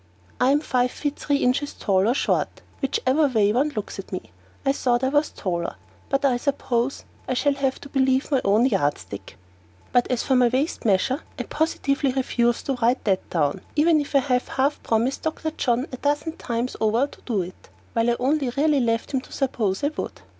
I am five feet three inches tall or short, whichever way one looks at me. I thought I was taller, but I suppose I shall have to believe my own yardstick. But as to my waist measure, I positively refuse to write that down, even if I have half promised Dr. John a dozen times over to do it, while I only really left him to suppose I would.